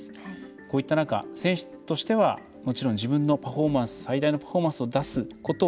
こういった中、選手としてはもちろん自分の最大のパフォーマンスを出すことを